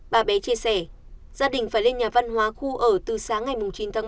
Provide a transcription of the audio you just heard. bà bé chia sẻ gia đình phải lên nhà văn hóa khu ở từ sáng ngày chín tháng bốn